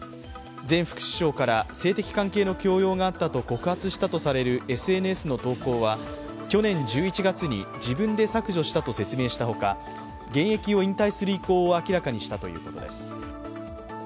前副首相から性的関係の教養があったと告発されるＳＮＳの投稿は去年１１月に自分で削除したと説明したほか現役を引退する意向を明らかにしたということです。